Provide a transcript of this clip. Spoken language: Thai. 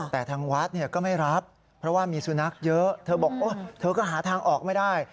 แต่ทางวัดก็ไม่รับเพราะว่ามีสุนัขเยอะเธอบอกเธอก็หาทางออกไม่ได้